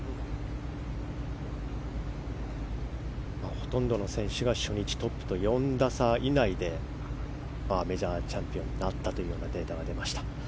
ほとんどの選手が初日トップと４打差以内でメジャーチャンピオンになったというデータがあります。